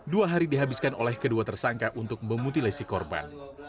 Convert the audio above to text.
dua hari dihabiskan oleh kedua tersangka untuk memutilasi korban